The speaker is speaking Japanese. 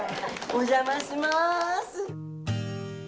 お邪魔します。